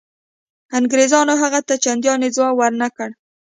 انګرېزانو هغه ته چنداني ځواب ورنه کړ.